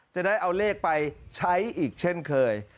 จะได้เอาเลขไปใช้อีกเช่นเคย